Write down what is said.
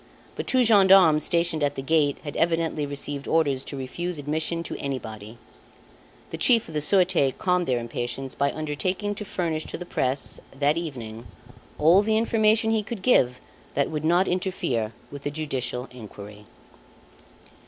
But two gendarmes stationed at the gate had evidently received orders to refuse admission to anybody. The Chief of the Surete calmed their impatience by undertaking to furnish to the press, that evening, all the information he could give that would not interfere with the judicial inquiry.